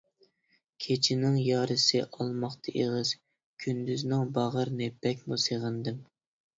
كېچىنىڭ يارىسى ئالماقتا ئېغىز، كۈندۈزنىڭ باغرىنى بەكمۇ سېغىندىم.